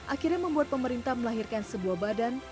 akhirnya membuat pemerintah melahirkan sebuah badan